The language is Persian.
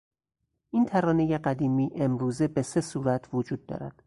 این ترانهی قدیمی امروزه به سه صورت وجود دارد.